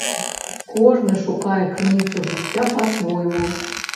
Кожны шукае крыніцу жыцця па-свойму.